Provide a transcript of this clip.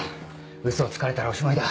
ウソをつかれたらおしまいだ。